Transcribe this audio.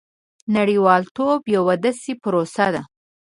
• نړیوالتوب یوه داسې پروسه ده.